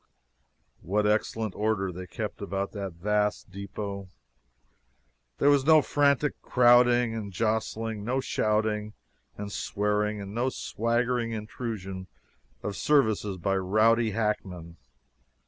What excellent order they kept about that vast depot! There was no frantic crowding and jostling, no shouting and swearing, and no swaggering intrusion of services by rowdy hackmen.